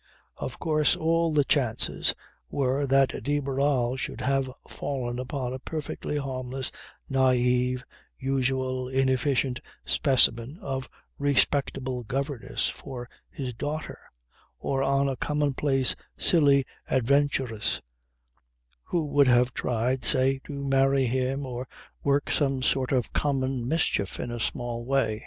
Of course, all the chances were that de Barral should have fallen upon a perfectly harmless, naive, usual, inefficient specimen of respectable governess for his daughter; or on a commonplace silly adventuress who would have tried, say, to marry him or work some other sort of common mischief in a small way.